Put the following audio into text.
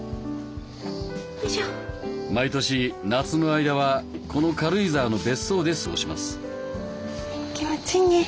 毎年夏の間はこの軽井沢の別荘で過ごします。